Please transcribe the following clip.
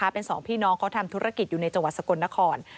เป็นสองพี่น้องเขาทำธุรกิจอยู่ในจังหวัดสกลนคร